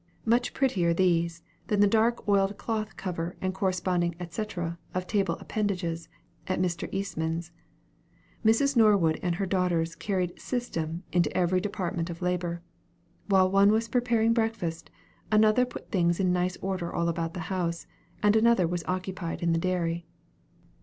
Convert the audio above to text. Much prettier these, than the dark oiled cloth cover and corresponding et cetera of table appendages, at Mr. Eastman's. Mrs. Norwood and her daughters carried system into every department of labour. While one was preparing breakfast, another put things in nice order all about the house, and another was occupied in the dairy.